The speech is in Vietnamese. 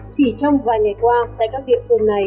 chỉ trong vài ngày qua tại các địa phương này